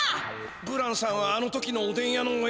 ブランさんはあの時のおでん屋のおやじ。